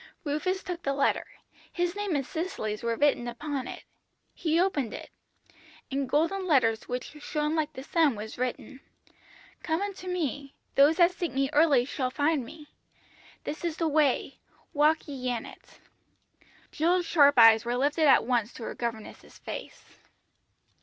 "Rufus took the letter. His name and Cicely's were written upon it. He opened it. In golden letters which shone like the sun was written "'Come unto Me. Those that seek Me early shall find Me. This is the way, walk ye in it.'" Jill sharp eyes were lifted at once to her governess's face.